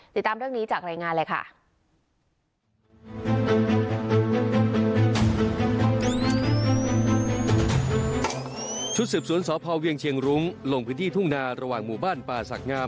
ติดตามเรื่องนี้จากรายงานเลยค่ะ